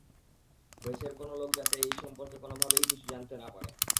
প্রেসের কোনো লোক যাতে এই সম্পর্কে কোনো ভাবেই কিছু জানতে না পারে।